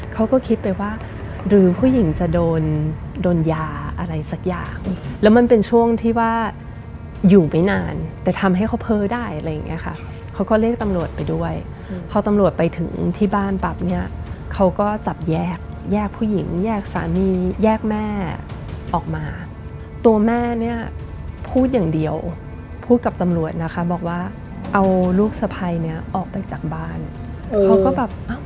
เขาก็คิดไปว่าหรือผู้หญิงจะโดนโดนยาอะไรสักอย่างแล้วมันเป็นช่วงที่ว่าอยู่ไม่นานแต่ทำให้เขาเพ้อได้อะไรอย่างเงี้ยค่ะเขาก็เรียกตำรวจไปด้วยพอตำรวจไปถึงที่บ้านปั๊บเนี่ยเขาก็จับแยกแยกผู้หญิงแยกสามีแยกแม่ออกมาตัวแม่เนี่ยพูดอย่างเดียวพูดกับตำรวจนะคะบอกว่าเอาลูกสะพ้ายเนี้ยออกไปจากบ้านเขาก็แบบอ้าว